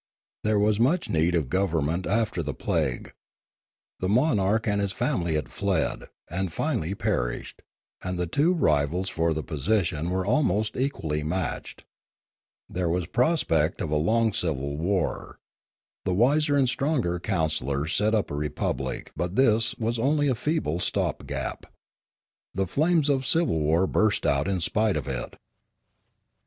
There was much need of government after the plagiie; the monarch and his family had fled and finally per ished ; and the two rivals for the position were almost equally matched. There was prospect of a long civil war. The wiser and stronger counsellors set up a republic, but this was only a feeble stop gap. The flames of civil war burst out in spite of it.